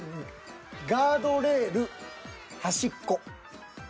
ガードレール端っこ。